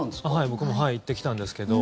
僕も行ってきたんですけど。